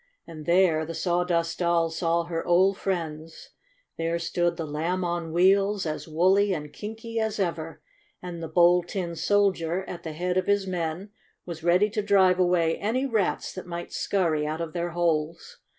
And there the Sawdust Doll saw her old friends. There stood the Lamb on Wheels, as woolly and kinky as ever. And the Bold Tin Soldier, at the head of his men, was ready to drive away any rats that might scurry out of their holes.